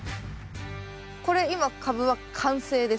これ今カブは完成ですか？